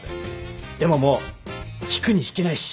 でももう引くに引けないし。